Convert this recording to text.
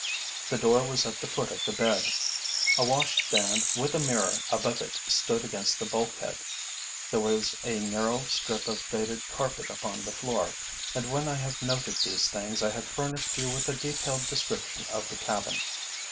The door was at the foot of the bed; a wash hand stand with a mirror above it stood against the bulkhead, there was a narrow strip of faded carpet upon the floor, and when I have noted these things I have furnished you with a detailed description of the cabin.